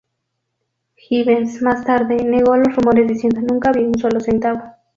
Givens, más tarde, negó los rumores diciendo "Nunca vi un solo centavo.